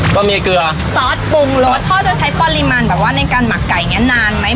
ก็มีเกลือซอสปรุงรสพ่อจะใช้ปริมาณแบบว่าในการหมักไก่เนี้ยนานไหม